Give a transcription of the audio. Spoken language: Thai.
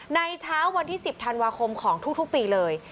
เช้าวันที่๑๐ธันวาคมของทุกปีเลย